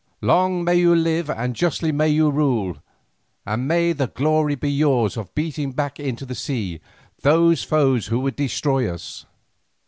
Long may you live and justly may you rule, and may the glory be yours of beating back into the sea those foes who would destroy us.